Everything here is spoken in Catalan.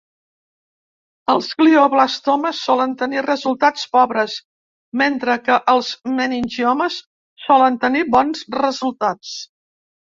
Els glioblastomes solen tenir resultats pobres, mentre que els meningiomes solen tenir bons resultats.